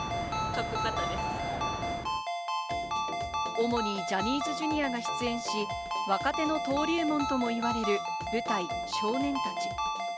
主にジャニーズＪｒ．が出演し、若手の登竜門とも言われる舞台「少年たち」。